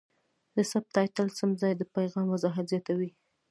د سبټایټل سم ځای د پیغام وضاحت زیاتوي.